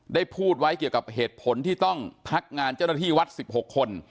ได้พูดไว้เกี่ยวกับเหตุผลที่ต้องพักงานเจ้าหน้าที่วัด๑๖คน